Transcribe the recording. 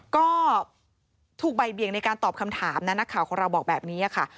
ก็ถูกบ่ายเบียงในการตอบคำถามนะนักข่าวของเราบอกแบบนี้ค่ะ